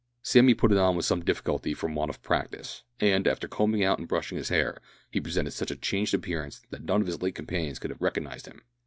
Sammy put it on with some difficulty from want of practice, and, after combing out and brushing his hair, he presented such a changed appearance that none of his late companions could have recognised him.